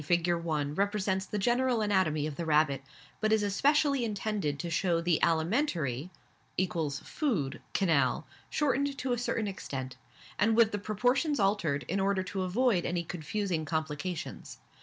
Figure 1 represents the general anatomy of the rabbit, but is especially intended to show the alimentary (= food) canal, shortened to a certain extent, and with the proportions altered, in order to avoid any confusing complications.